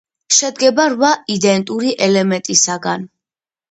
შედგება რვა იდენტური ელემენტისაგან.